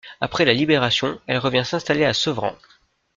Après la Libération, elle revient s'installer à Sevran.